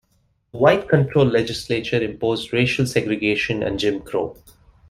The white-controlled legislature imposed racial segregation and Jim Crow.